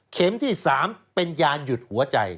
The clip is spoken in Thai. เข็มที่๓เป็นยาหยุดหัวใจ